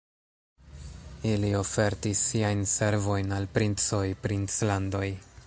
Ili ofertis siajn servojn al princoj, princlandoj.